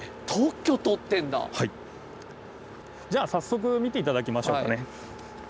じゃあ早速見て頂きましょうかね。